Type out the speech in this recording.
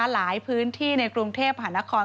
หลายพื้นที่ในกรุงเทพหานคร